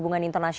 jangan ke tempat